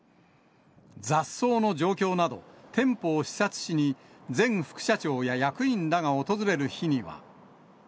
雑草の状況など、店舗を視察しに、前副社長や役員らが訪れる日には。